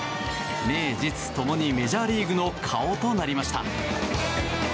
名実共に、メジャーリーグの顔となりました。